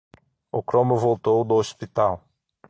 O cromo voltou do hospital.